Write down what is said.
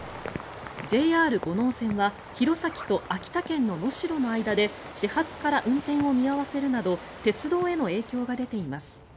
ＪＲ五能線は弘前と秋田県の能代の間で始発から運転を見合わせるなど鉄道への影響が出ています。